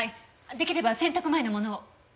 出来れば洗濯前のものを。